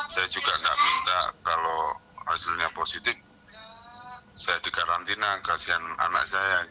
saya juga tidak minta kalau hasilnya positif saya di karantina kasihan anak saya